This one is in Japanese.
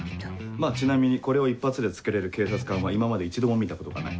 まぁちなみにこれを一発で着けれる警察官は今まで一度も見たことがない。